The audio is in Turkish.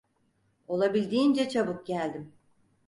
Olabildiğince çabuk geldim.